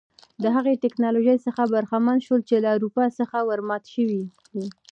د هغې ټکنالوژۍ څخه برخمن شول چې له اروپا څخه ور ماته شوې وه.